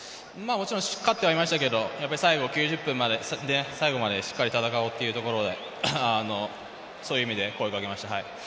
勝ってはいましたけど最後まで、しっかり戦おうっていうところで、そういう意味で声をかけました。